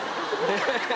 ハハハ！